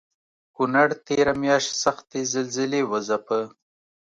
کونړ تېره مياشت سختې زلزلې وځپه